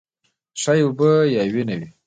ښايي اوبه یا وینه وي.